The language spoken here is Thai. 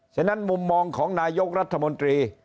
ฉะนั้นมุมมองของนายกรัฐมนตรี